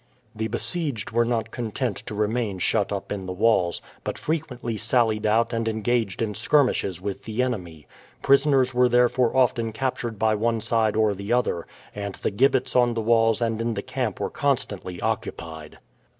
The besieged were not content to remain shut up in the walls, but frequently sallied out and engaged in skirmishes with the enemy. Prisoners were therefore often captured by one side or the other, and the gibbets on the walls and in the camp were constantly occupied.